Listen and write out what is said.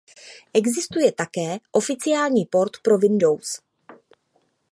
Existuje také oficiální port pro Windows.